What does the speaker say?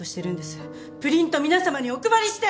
プリント皆さまにお配りして！